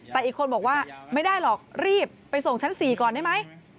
แต่อีกคนบอกว่าไม่ได้หรอกรีบไปส่งชั้น๔ก่อนได้ไหม